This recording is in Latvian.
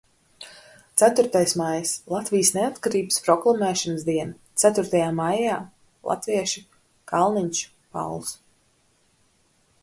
Ceturtais maijs – Latvijas neatkarības proklamēšanas diena. Ceturtajā maijā latvieši – Kalniņš, Pauls.